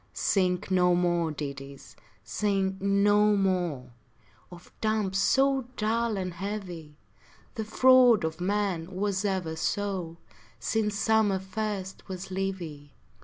Sing no more ditties, sing no mo Of dumps so dull and heavy; The fraud of men was ever so, Since summer first was leavy.